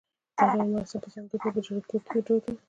دا ډول مراسم په ځانګړې توګه په جریکو کې دود و